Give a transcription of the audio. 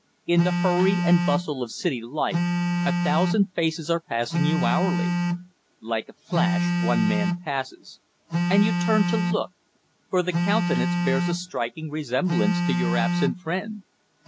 In the hurry and bustle of city life a thousand faces are passing you hourly. Like a flash one man passes, and you turn to look, for the countenance bears a striking resemblance to your absent friend.